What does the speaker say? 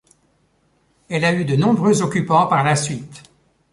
Elle a eu de nombreux occupants par la suite.